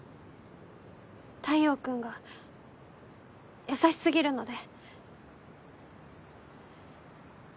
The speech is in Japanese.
太陽君が優し過ぎるので。